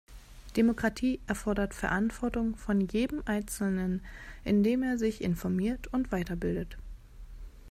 Demokratie erfordert Verantwortung von jedem einzelnen, indem er sich informiert und weiterbildet.